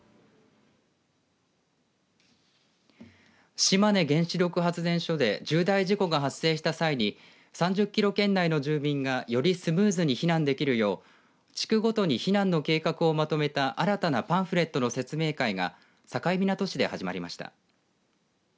島根原子力発電所で重大事故が発生した際に３０キロ圏内の住民がよりスムーズに避難できるよう地区ごとに避難の計画をまとめた新たなパンフレットの説明会が境港市で始まりました。